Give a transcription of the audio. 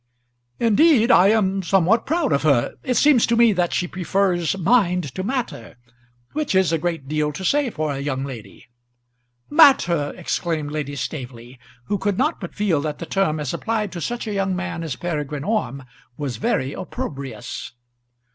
"Indeed, I am somewhat proud of her. It seems to me that she prefers mind to matter, which is a great deal to say for a young lady." "Matter!" exclaimed Lady Staveley, who could not but feel that the term, as applied to such a young man as Peregrine Orme, was very opprobrious.